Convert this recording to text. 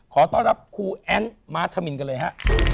ขอต้อนรับครูแอ้นม้าธมินกันเลยฮะ